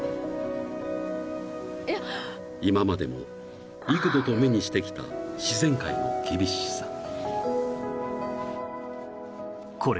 ［今までも幾度と目にしてきた自然界の厳しさ］